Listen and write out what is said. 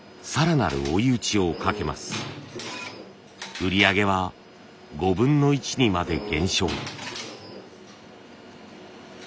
売り上げは５分の１にまで減少。